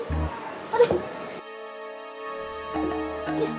kok mau mati